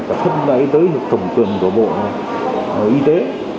cả thân đại tư thùng cường của bộ y tế